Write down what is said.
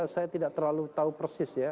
saya tidak terlalu tahu persis ya